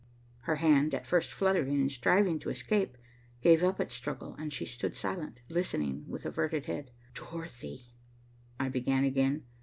Her hand, at first fluttering and striving to escape, gave up its struggle, and she stood silent, listening, with averted head. "Dorothy," I began again.